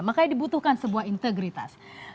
makanya dibutuhkan sebuah integritas